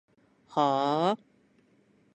はーーー？